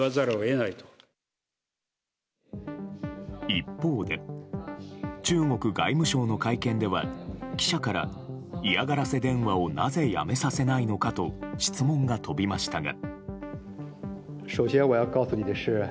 一方で中国外務省の会見では記者から、嫌がらせ電話をなぜ、やめさせないのかと質問が飛びましたが。